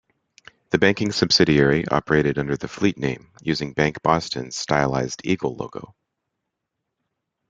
The banking subsidiary operated under the Fleet name, using BankBoston's stylized eagle logo.